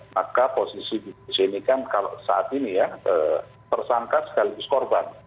maka posisi ibu pc ini kan saat ini ya tersangkat sekaligus korban